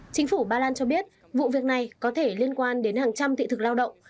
chính phủ ba lan cho biết vụ việc này có thể liên quan đến hàng trăm thị thực lao động